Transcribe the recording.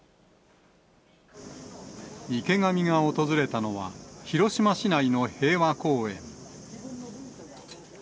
池上が訪れたのは、広島市内の平和公園。